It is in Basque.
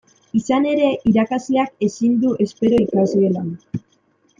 Izan ere, irakasleak ezin du espero ikasgelan.